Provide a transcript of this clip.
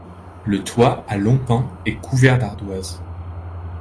Le toit, à longs pans, est couvert d'ardoises.